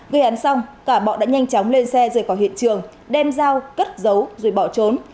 gây án xong cả bọ đã nhanh chóng lên xe rời khỏi hiện trường đem dao cất giấu rồi bỏ trốn